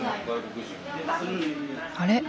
あれ？